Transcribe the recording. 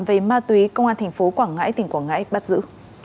về ma túy công an tp quảng ngãi tỉnh quảng ngãi bắt giữ